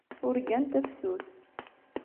Urgan tafsut.